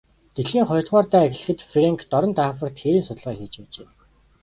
Дэлхийн хоёрдугаар дайн эхлэхэд Фрэнк дорнод Африкт хээрийн судалгаа хийж байжээ.